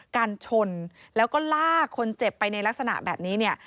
การชนแล้วก็ลากคนเจ็บไปในลักษณะแบบนี้เนี่ย